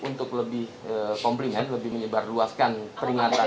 untuk lebih komplimen lebih menyebar luaskan peringatan